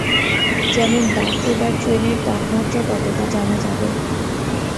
যেমন বাসে বা ট্রেনের তাপমাত্রা কতো তা জানা যাবে।